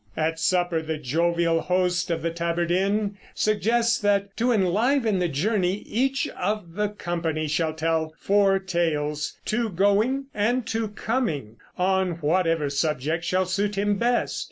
At supper the jovial host of the Tabard Inn suggests that, to enliven the journey, each of the company shall tell four tales, two going and two coming, on whatever subject shall suit him best.